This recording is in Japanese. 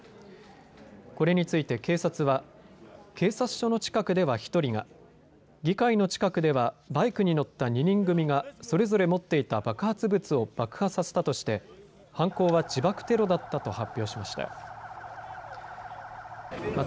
これについて警察は警察署の近くでは１人が、議会の近くではバイクに乗った２人組がそれぞれ持っていた爆発物を爆破させたとして犯行は自爆テロだったと発表しました。